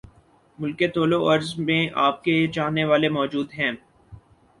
ملک کے طول وعرض میں آپ کے چاہنے والے موجود ہیں